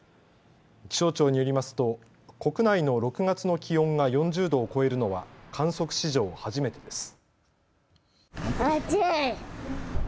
気象庁によりますと国内の６月の気温が４０度を超えるのは観測史上、初めてです。